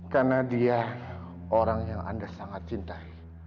karena dia orang yang anda sangat cintai